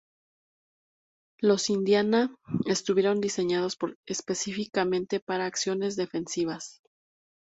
Los "Indiana" estuvieron diseñados específicamente para acciones defensivas.